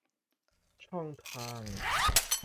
ช่องทาง